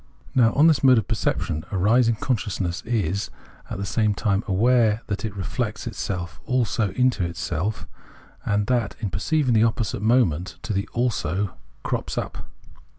Now, on this mode of perception arising, con sciousness is at the same time aware that it reflects itself also into itself, and that, in perceiving, the opposite moment to the " also " crops up.